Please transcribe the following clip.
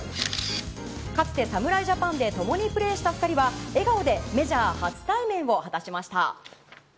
かつて侍ジャパンで共にプレーした２人は笑顔でメジャー初対面を果たしました。